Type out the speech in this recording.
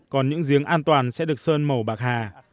còn những giếng an toàn sẽ được sơn màu bạc hà